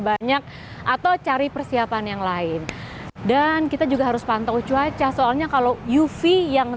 banyak atau cari persiapan yang lain dan kita juga harus pantau cuaca soalnya kalau uv yang